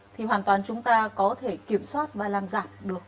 thì hoàn toàn chúng ta có thể kiểm soát và làm giảm được